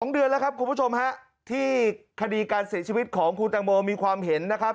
๒เดือนแล้วครับคุณผู้ชมฮะที่คดีการเสียชีวิตของคุณตังโมมีความเห็นนะครับ